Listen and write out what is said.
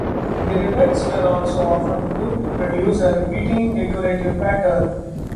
The rivets were also often grouped to produce a repeating decorative pattern.